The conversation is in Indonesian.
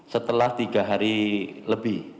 setelah tiga hari lebih